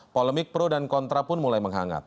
polemik pro dan kontra pun mulai menghangat